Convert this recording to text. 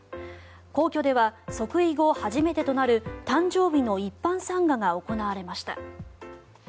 皇居では即位後初めてとなる誕生日の一般参賀が行われました。